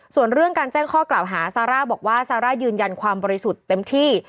ส่วนเรื่องการแจ้งข้อกล่าวหาซาร่าบอกว่าซาร่ายืนยันความบริสุทธิ์เต็มที่